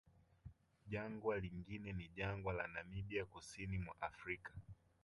Jangwa lingine ni jangwa la Namibia kusini mwa Afrika